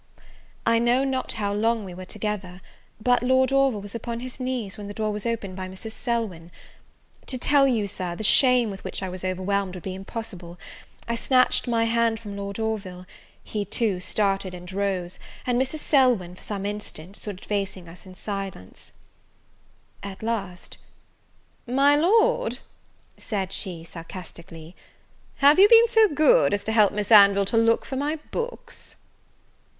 I know not how long we were together; but Lord Orville was upon his knees, when the door was opened by Mrs. Selwyn! To tell you, Sir, the shame with which I overwhelmed, would be impossible; I snatched my hand from Lord Orville, he, too, started and rose, and Mrs. Selwyn, for some instants, stood facing us both in silence. At last, "My Lord" said she, sarcastically, "have you been so good as to help Miss Anville to look for my books?"